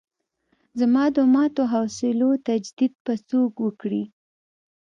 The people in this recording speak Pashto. زما د ماتو حوصلو تجدید به څوک وکړي.